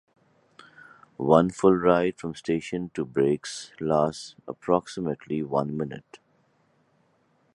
One full ride from station to brakes lasts approximately one minute.